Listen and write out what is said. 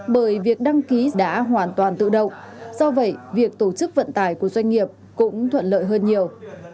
bởi việc đăng ký đã hoàn toàn tự động do vậy việc tổ chức vận tải của doanh nghiệp cũng thuận lợi hơn nhiều